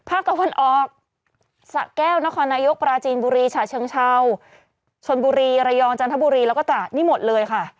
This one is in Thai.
ตะวันออกสะแก้วนครนายกปราจีนบุรีฉะเชิงเศร้าชนบุรีระยองจันทบุรีแล้วก็ตราดนี่หมดเลยค่ะ